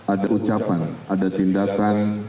ada ucapan ada tindakan